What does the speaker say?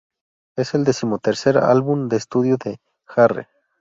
Es el decimotercer álbum de estudio de Jarre.